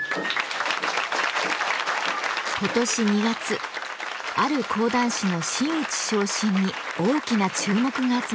今年２月ある講談師の真打ち昇進に大きな注目が集まりました。